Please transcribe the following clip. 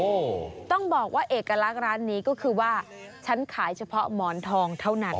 โอ้โหต้องบอกว่าเอกลักษณ์ร้านนี้ก็คือว่าฉันขายเฉพาะหมอนทองเท่านั้น